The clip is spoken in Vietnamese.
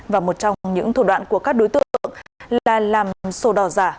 và một trong những thủ đoạn của các đối tượng là làm sổ đỏ giả